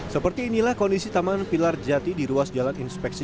seperti inilah kondisi taman pilar jati di ruas jalan inspeksi